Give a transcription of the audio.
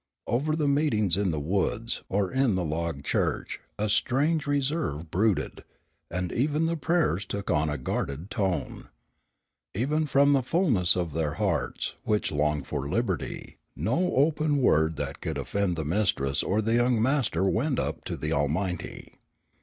Over the meetings in the woods or in the log church a strange reserve brooded, and even the prayers took on a guarded tone. Even from the fulness of their hearts, which longed for liberty, no open word that could offend the mistress or the young master went up to the Almighty.